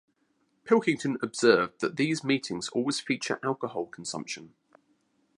Pilkington observed that these meetings always features alcohol consumption.